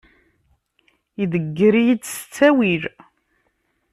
Idegger-iyi-d s ttawil.